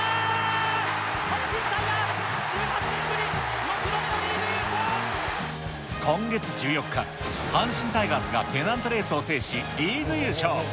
阪神タイガース、１８年ぶり６度今月１４日、阪神タイガースがペナントレースを制し、リーグ優勝。